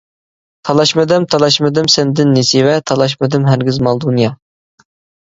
تالاشمىدىم تالاشمىدىم سەندىن نېسىۋە، تالاشمىدىم ھەرگىز مال-دۇنيا.